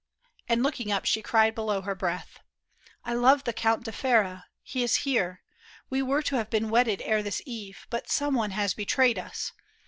And looking up, she cried below her breath, '' I love the Count di Ferra ; he is here : We were to have been wedded ere the eve, But some one has betrayed us.